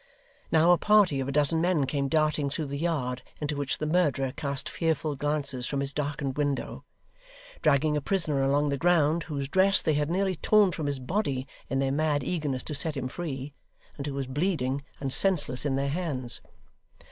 Now a party of a dozen men came darting through the yard into which the murderer cast fearful glances from his darkened window; dragging a prisoner along the ground whose dress they had nearly torn from his body in their mad eagerness to set him free, and who was bleeding and senseless in their hands.